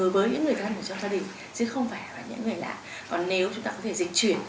với những người thân của châu âu